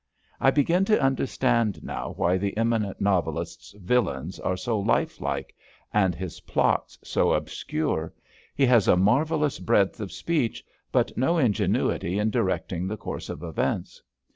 I begin to un derstand now why the eminent novelist's villains are so lifelike and his plots so obscure. He has a marvellous breadth of speech, but no ingenuity in directing the course of events.